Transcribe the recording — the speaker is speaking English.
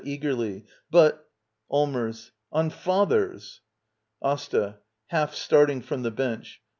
[Eagerly.] But —? Allmers. On father's. Asta. [Half starting from the bench.